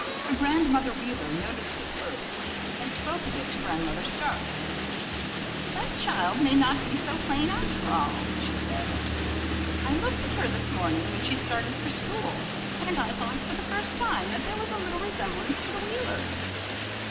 Her grandmother Wheeler noticed it first, and spoke of it to Grandmother Stark. "That child may not be so plain, after all," said she. "I looked at her this morning when she started for school, and I thought for the first time that there was a little resemblance to the Wheelers."